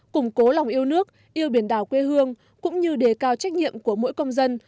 củng cố lòng yêu nước yêu biển đảo quê hương cũng như đề cao trách nhiệm của mỗi công dân